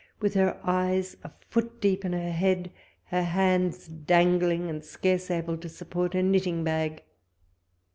with her eyes a foot deep in her head, her hands dangling, and scarce able to support her knitting bag.